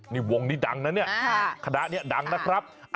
นี่วงนี้ดังนะเนี่ยคณะนี้ดังนะครับ